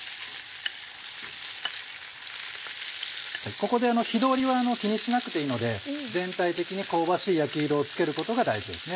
ここで火通りは気にしなくていいので全体的に香ばしい焼き色をつけることが大事ですね。